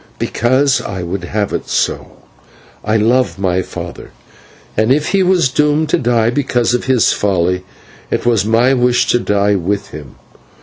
"Because I would have it so. I love my father, and if he was doomed to die because of his folly, it was my wish to die with him.